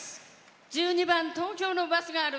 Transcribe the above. １２番「東京のバスガール」。